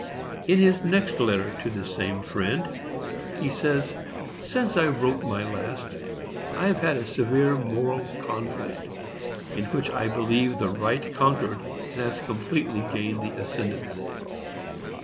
In his next letter to the same friend he says: Since I wrote my last, I have had a severe moral conflict, in which I believe the right conquered, and has completely gained the ascendency.